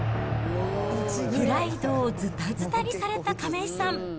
プライドをずたずたにされた亀井さん。